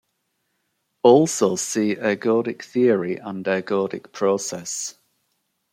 Also see ergodic theory and ergodic process.